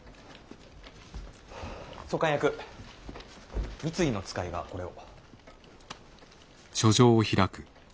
総監役三井の使いがこれを。